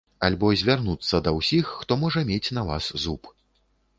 Альбо звярнуцца да ўсіх, хто можа мець на вас зуб.